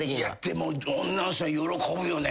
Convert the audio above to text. でも女の人は喜ぶよね。